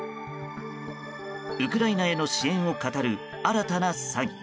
ウクライナへの支援をかたる新たな詐欺。